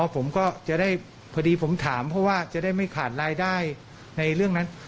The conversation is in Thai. ผมก็จะได้พอดีผมถามเพราะว่าจะได้ไม่ขาดรายได้ในเรื่องนั้น